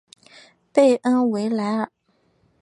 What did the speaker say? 贝恩维莱尔。